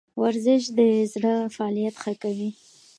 ورزش د زړه فعالیت ښه کوي